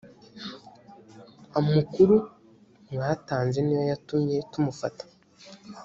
amukuru mwatanze niyo yatumye tumufata